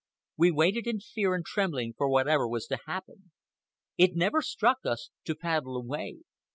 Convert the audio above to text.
We waited in fear and trembling for whatever was to happen. It never struck us to paddle away.